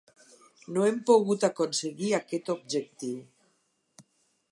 No hem pogut aconseguir aquest objectiu.